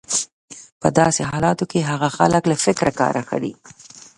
په داسې حالتونو کې هغه خلک له فکره کار اخلي.